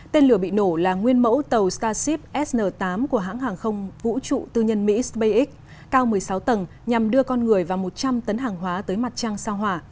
tên lửa bị nổ là nguyên mẫu tàu starship sn tám của hãng hàng không vũ trụ tư nhân mỹ spacex cao một mươi sáu tầng nhằm đưa con người và một trăm linh tấn hàng hóa tới mặt trăng sao hỏa